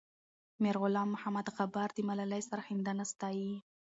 میرغلام محمد غبار د ملالۍ سرښندنه ستايي.